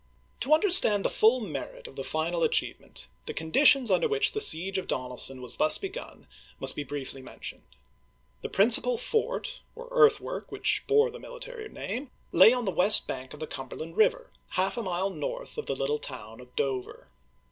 To understand the full merit of the final achieve ment, the conditions under which the siege of Donelson was thus begun must be briefly men tioned. The principal fort, or earthwork which bore the military name, lay on the west bank of the Cumberland River, half a mile north of the little town of Dover.